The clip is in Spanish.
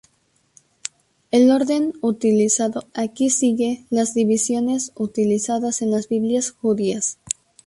El orden utilizado aquí sigue las divisiones utilizadas en las Biblias judías.